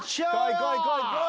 こいこいこいこい！